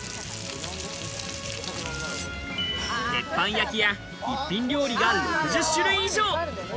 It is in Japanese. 鉄板焼きや一品料理が６０種類以上。